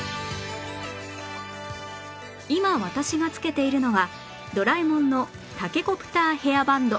今私がつけているのはドラえもんのタケコプターヘアバンド